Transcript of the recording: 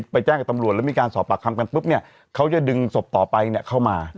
แจ้งกับตำรวจแล้วมีการสอบปากคำกันปุ๊บเนี่ยเขาจะดึงศพต่อไปเข้ามา